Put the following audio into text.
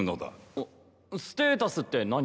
あステータスって何？